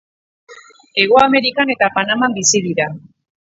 Hego Amerikan eta Panaman bizi dira.